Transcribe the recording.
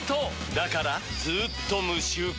だからずーっと無臭化！